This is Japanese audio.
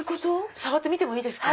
触ってみてもいいですか？